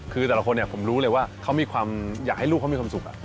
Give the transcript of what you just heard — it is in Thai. คือแต่ละคนผมรู้ว่า